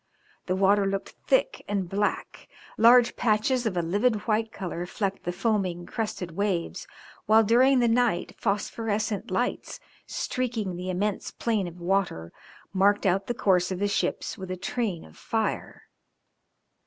The water looked thick and black, large patches of a livid white colour flecked the foaming, crested waves, while during the night phosphorescent lights, streaking the immense plain of water, marked out the course of the ships with a train of fire.